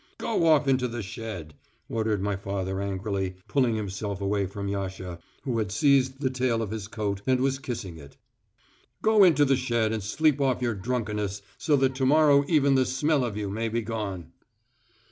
"Go off into the shed," ordered my father angrily, pulling himself away from Yasha, who had seized the tail of his coat and was kissing it. "Go into the shed and sleep off your drunkenness so that to morrow even the smell of you may be gone!"